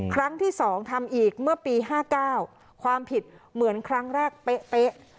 ครั้งที่สองทำอีกเมื่อปีห้าเก้าความผิดเหมือนครั้งแรกเป๊ะเป๊ะ